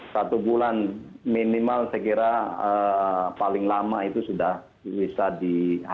satu bulan minimal saya kira paling lama itu sudah bisa dihadapi